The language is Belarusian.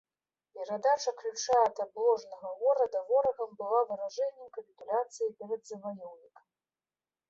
Перадача ключа ад абложанага горада ворагам была выражэннем капітуляцыі перад заваёўнікам.